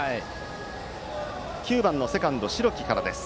９番セカンド、白木からです。